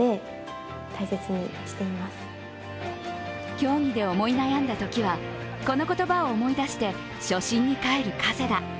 競技で思い悩んだときはこの言葉を思い出して初心に返る加世田。